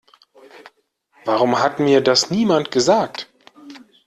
Warum hat mir das niemand gesagt?